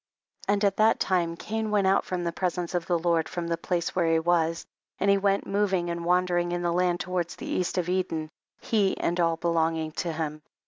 33. And at that time Cain went out from the presence of the Lord from the place where he was, and he went moving andt wandering in the land towards the east of Eden> he and all belonging to him.